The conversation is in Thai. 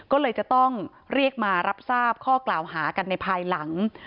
ก็เลยจะต้องเรียกมารับทราบข้อกล่าวหากันในภายหลัง